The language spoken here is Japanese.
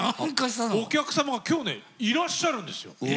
お客様がね今日いらっしゃるんですよ。